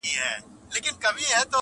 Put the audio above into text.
په بې صبری معشوقې چا میندلي دینه،